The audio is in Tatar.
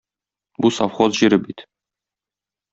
Бу совхоз җире бит.